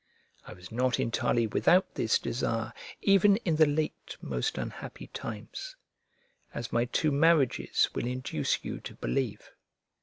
I was not entirely without this desire even in the late most unhappy times: as my two marriages will induce you to believe.